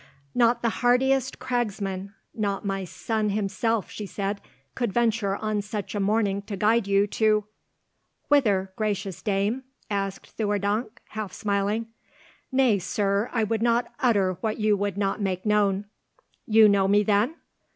"Not the hardiest cragsman, not my son himself," she said, "could venture on such a morning to guide you to—" "Whither, gracious dame?" asked Theurdank, half smiling. "Nay, sir, I would not utter what you would not make known." "You know me then?"